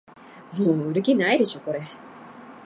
もう売る気ないでしょこれ